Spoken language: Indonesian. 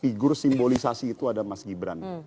figur simbolisasi itu ada mas gibran